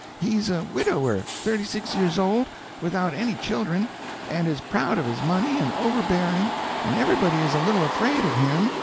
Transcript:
He's a widower, thirty six years old, without any children, and is proud of his money and overbearing, and everybody is a little afraid of him.